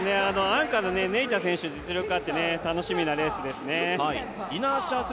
アンカーのネイタ選手、実力があって楽しみな選手ですね。